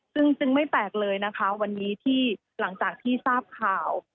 ซึ่งจึงไม่แตกเลยนะคะวันนี้ที่หลังจากที่ทราบข่าว